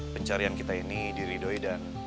pencarian kita ini diridoi dan